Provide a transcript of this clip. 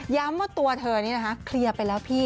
ว่าตัวเธอนี่นะคะเคลียร์ไปแล้วพี่